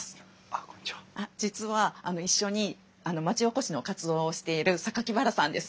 実は一緒に町おこしの活動をしている榊原さんです。